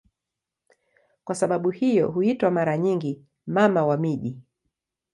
Kwa sababu hiyo huitwa mara nyingi "Mama wa miji".